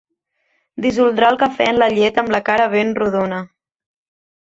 Dissoldrà el cafè en la llet amb la cara ben rodona.